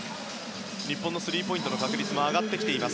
日本のスリーポイントの確率も上がってきています。